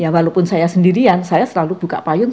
walaupun saya sendirian saya selalu buka payung